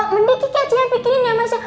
mending kakek aja bikinin ya mas al